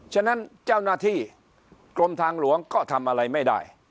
ฉะนั้นเจ้าหน้าที่กรมทางหลวงก็ทำอะไรไม่ได้